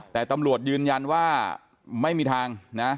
แต่ตำรวจยืนยันว่าไม่มีทางนะ